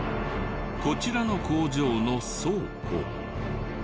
こちらの工場の倉庫。